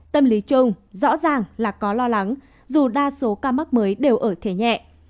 tâm lý chung rõ ràng là có lo lắng dù đa số ca mắc mới đều ở thế nhẹ